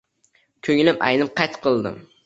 Ko`nglim aynib, qayt qildim